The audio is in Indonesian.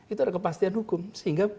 itu ada kepastian hukum sehingga